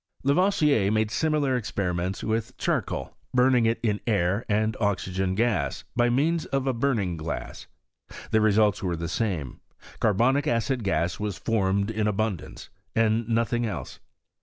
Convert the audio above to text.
Lavoisier made similar experiments with charcoal, burning it in air and oxygen gas, by means of a burning glass. The results were the same : carbonic acid gas was formed in abundance, and nothing else.